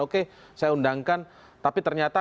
oke saya undangkan tapi ternyata